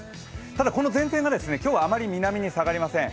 ただ、この前線が今日はあまり南に下がりません。